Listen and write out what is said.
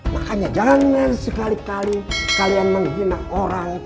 makanya jangan sekali kali kalian menghina orang